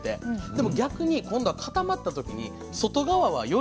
でも逆に今度は固まった時に外側はより一層固くなるんですね